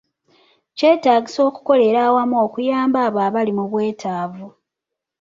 Kyetaagisa okukolera awamu okuyamba abo abali mu bwetaavu.